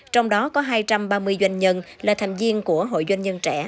trong đó có hai trăm ba mươi doanh nhân là tham viên của hội doanh nhân trẻ